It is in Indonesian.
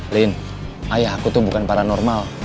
lin ayah aku tuh bukan paranormal